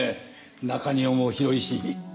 中庭も広いし。